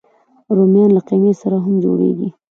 رومیان له قیمې سره هم جوړېږي